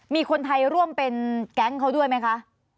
มีคนไทยร่วมเป็นแก๊งเขาด้วยไหมคะ